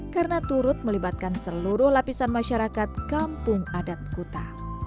karena turut melibatkan seluruh lapisan masyarakat kampung adat kuta